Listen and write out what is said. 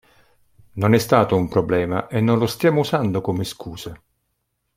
Non è stato un problema e non lo stiamo usando come scusa".